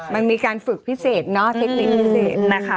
มันมีการฝึกพิเศษเทคนิคพิเศษ